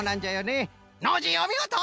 ノージーおみごと！